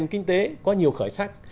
nền kinh tế có nhiều khởi sắc